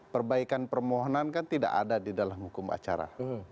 perbaikan permohonan kan tidak ada di dalam hukum acara